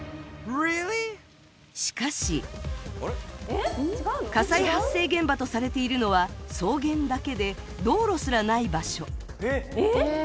しかし火災発生現場とされているのは草原だけで道路すらない場所